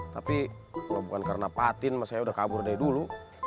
tapi bukan karena patin mas saya udah kabur dari dulu